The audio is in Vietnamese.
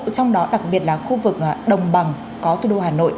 trong đó đặc biệt là khu vực đồng bằng có thủ đô hà nội